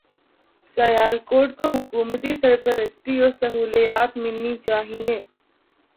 سیالکوٹ کو حکومتی سرپرستی و سہولیات ملنی چاہیے